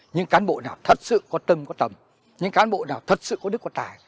những cán bộ nào thật sự có tâm có tầm những cán bộ nào thật sự có đức có tài